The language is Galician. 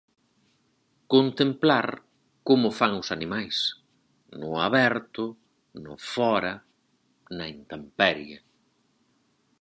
Contemplar como fan os animais: no aberto, no fóra, na intemperie.